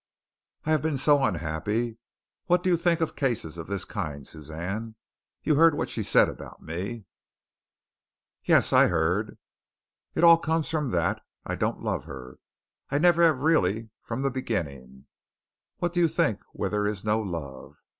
I have been so unhappy. What do you think of cases of this kind, Suzanne? You heard what she said about me." "Yes, I heard." "It all comes from that. I don't love her. I never have really from the beginning. What do you think where there is no love?